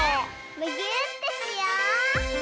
むぎゅーってしよう！